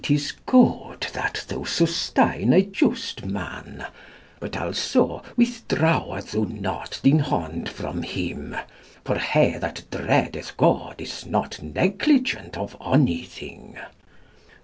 is good, that thou susteyne a iust man; but also withdrawe thou not thin bond from hym ; for he that dredith God, is not necli gent of ony thing.